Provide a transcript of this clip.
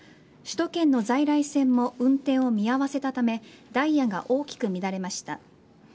首都圏の在来線も運転を見合わせたためダイヤが大きく乱れました。